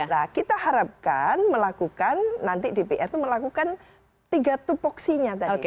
nah kita harapkan melakukan nanti dpr itu melakukan tiga tupoksinya tadi